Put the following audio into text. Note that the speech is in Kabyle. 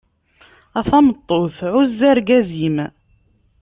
A tameṭṭut, ɛuzz argaz-im.